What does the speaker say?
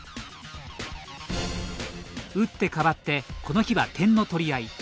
打って変わってこの日は点の取り合い。